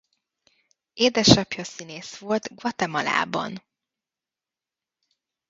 Édesapja színész volt Guatemalában.